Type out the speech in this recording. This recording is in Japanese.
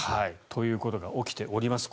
ということが起きております。